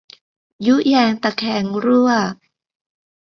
ยุแยงตะแคงรั่ว